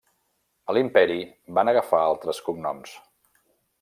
A l'imperi van agafar altres cognoms.